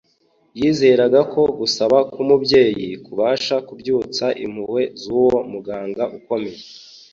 Yizeraga ko gusaba kw’umubyeyi kubasha kubyutsa impuhwe z’uwo Muganga Ukomeye